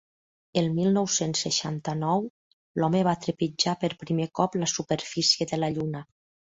El mil nou-cents seixanta-nou l'home va trepitjar per primer cop la superfície de la lluna.